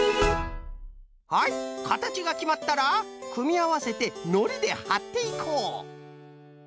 はいかたちがきまったらくみあわせてのりではっていこう。